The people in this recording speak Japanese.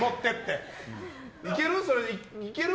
いける？